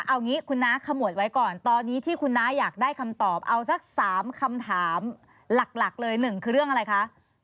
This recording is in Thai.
เอางี้คุณน้าขมวดไว้ก่อนตอนนี้ที่คุณน้าอยากได้คำตอบเอาสัก๓คำถามหลักเลยหนึ่งคือเรื่องอะไรคะ